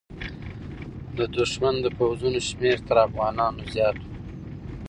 د دښمن د پوځونو شمېر تر افغانانو زیات و.